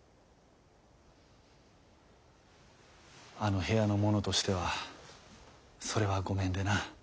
あの部屋の者としてはそれはごめんでな。